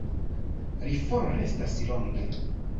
Li forrestas longe.